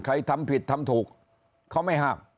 ทำผิดทำถูกเขาไม่ห้าม